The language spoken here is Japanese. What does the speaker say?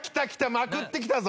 まくってきたぞ。